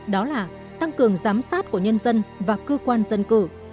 đó là tăng cường giám sát của nhân dân và cơ quan dân cử